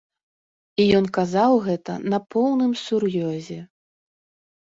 І ён казаў гэта на поўным сур'ёзе.